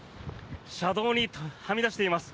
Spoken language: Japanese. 車道にはみ出しています。